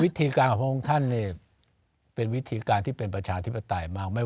วิธีการของพระองค์ท่านเป็นวิธีการที่เป็นประชาธิปไตยมาก